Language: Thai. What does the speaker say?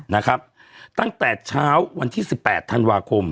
นะครับตั้งแต่เช้าวันที่สิบแปดธันวาคม